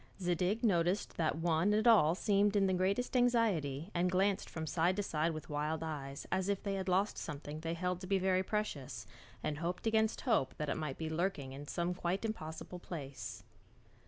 Zadig noticed that one and all seemed in the greatest anxiety and glanced from side to side with wild eyes as if they had lost something they held to be very precious, and hoped against hope that it might be lurking in some quite impossible place.